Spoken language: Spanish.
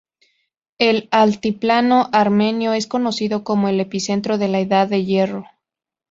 El Altiplano Armenio es conocido como el "epicentro de la Edad de Hierro".